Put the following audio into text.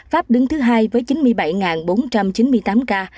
pháp đứng thứ hai với chín mươi bảy bốn trăm chín mươi tám ca